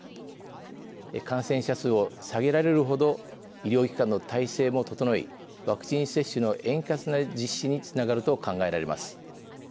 感染者数を下げられるほど医療機関の体制も整いワクチン接種の円滑な実施につながると考えられます。